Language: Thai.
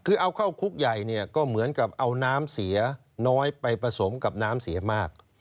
คือเอาเข้าคุกใหญ่เนี่ยก็เหมือนกับเอาน้ำเสียน้อยไปผสมกับน้ำเสียมาก